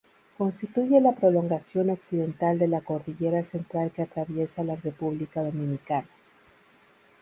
Constituye la prolongación occidental de la cordillera Central que atraviesa la República Dominicana.